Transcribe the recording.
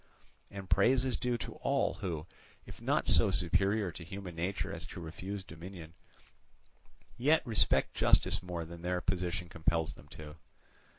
And praise is due to all who, if not so superior to human nature as to refuse dominion, yet respect justice more than their position compels them to do.